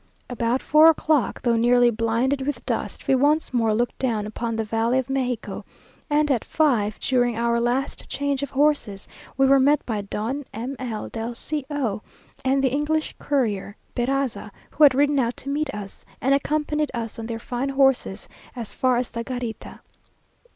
About four o'clock, though nearly blinded with dust, we once more looked down upon the valley of Mexico, and at five, during our last change of horses, we were met by Don M l del C o and the English courier Beraza, who had ridden out to meet us, and accompanied us on their fine horses as far as the Garita.